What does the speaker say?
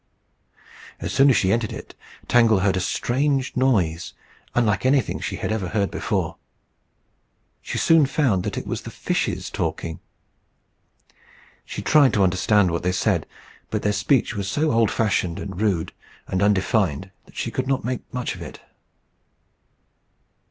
As soon as she entered it, Tangle heard a strange noise, unlike anything she had ever heard before. She soon found that it was the fishes talking. She tried to understand what they said; but their speech was so old fashioned, and rude, and undefined, that she could not make much of it.